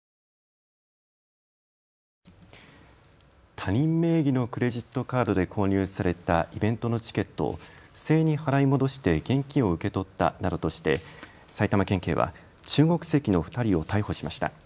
他人名義のクレジットカードで購入されたイベントのチケットを不正に払い戻して現金を受け取ったなどとして埼玉県警は中国籍の２人を逮捕しました。